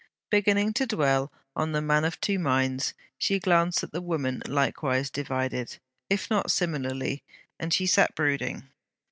Beginning to dwell on THE MAN OF TWO MINDS, she glanced at the woman likewise divided, if not similarly; and she sat brooding.